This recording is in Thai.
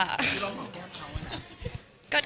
คุณลองหอมแก้มเขาไง